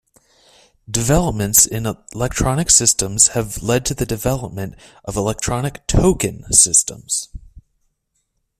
Developments in electronic systems have led to the development of electronic token systems.